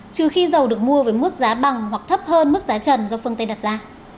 trừ khi dầu được mua với mức giá bằng hoặc thấp hơn mức giá trần do phương tây đặt ra